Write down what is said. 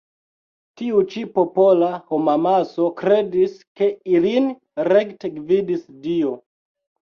Tiu ĉi popola homamaso kredis ke ilin rekte gvidis Dio.